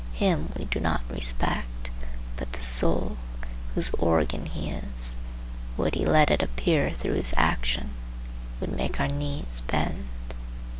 Him we do not respect, but the soul, whose organ he is, would he let it appear through his action, would make our knees bend.